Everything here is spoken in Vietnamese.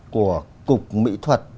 của cục mỹ thuật